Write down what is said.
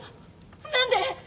何で！？